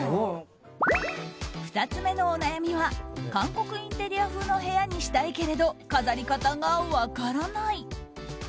２つ目のお悩みは韓国インテリア風の部屋にしたいけれど飾り方が分からない。